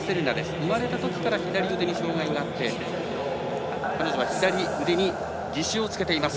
生まれたときから左腕に障がいがあって彼女は左腕に義手をつけています。